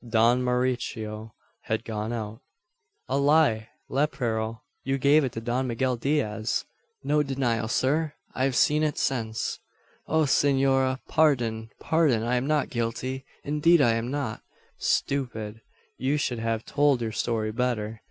"Don Mauricio had gone out." "A lie, lepero! You gave it to Don Miguel Diaz. No denial, sir! I've seen it since." "O Senora, pardon! pardon! I am not guilty indeed I am not." "Stupid, you should have told your story better.